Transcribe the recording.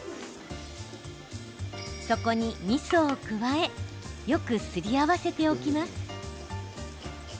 そこに、みそを加えよくすり合わせておきます。